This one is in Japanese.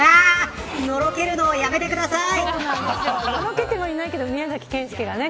のろけるのはやめてください。